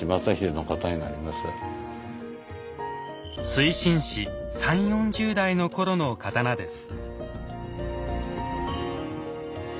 水心子３０４０代の頃の刀です。